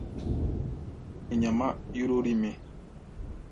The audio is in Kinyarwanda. undi agura inyama y’ururimi